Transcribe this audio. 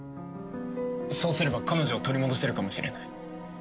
そうすれば彼女を取り戻せるかもしれない。